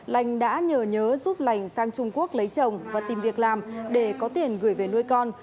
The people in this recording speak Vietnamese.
lành đã nhờ nhớ giúp lành sang trung quốc lấy chồng và tìm việc làm để có tiền gửi về nuôi con